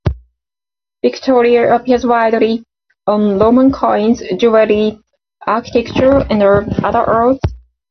Victoria appears widely on Roman coins, jewelry, architecture, and other arts.